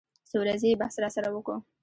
څو ورځې يې بحث راسره وکو.